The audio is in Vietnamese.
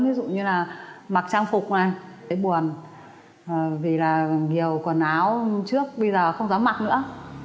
ví dụ như là mặc trang phục à cái buồn vì là nhiều quần áo trước bây giờ không dám mặc nữa